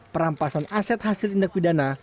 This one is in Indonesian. perampasan aset hasil tindak pidana